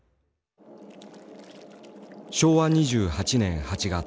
昭和２８年８月。